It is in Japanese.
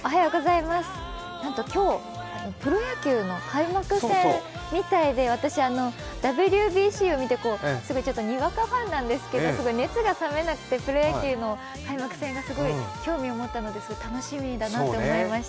なんと今日、プロ野球の開幕戦みたいで、私、ＷＢＣを見て、すごいにわかファンなんですけど、すごい熱が冷めなくてプロ野球の開幕戦に興味を持ったので、楽しみだなと思いました。